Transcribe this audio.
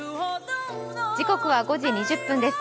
時刻は５時２０分です。